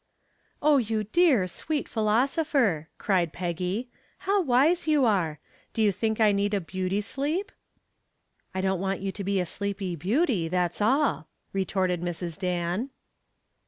"Oh, you dear, sweet philosopher," cried Peggy; "how wise you are. Do you think I need a beauty sleep?" "I don't want you to be a sleepy beauty, that's all," retorted Mrs. Dan.